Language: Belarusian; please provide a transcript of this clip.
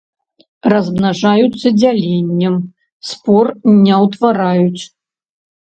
Размнажаюцца дзяленнем, спор не утвараюць.